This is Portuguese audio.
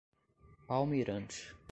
Palmeirante